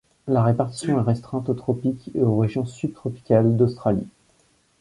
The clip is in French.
La répartition est restreinte aux tropiques et aux régions subtropicales d'Australie.